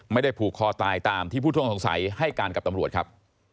ไม่ได้ผูกคอตายตามที่ผู้ต้องสงสัยให้การกับตำรวจครับ